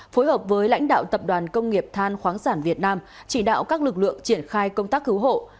phối hợp với lãnh đạo tập đoàn công nghiệp than khoáng sản việt nam chỉ đạo các lực lượng triển khai công tác cứu hộ